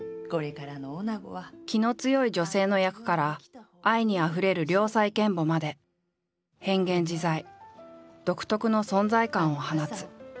気の強い女性の役から愛にあふれる良妻賢母まで変幻自在独特の存在感を放つ。